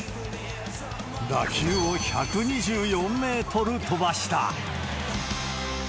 打球を１２４メートル飛ばした。